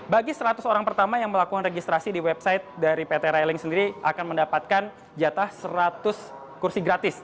bagi seratus orang pertama yang melakukan registrasi di website dari pt railing sendiri akan mendapatkan jatah seratus kursi gratis